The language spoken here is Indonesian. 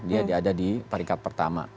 dia ada di peringkat pertama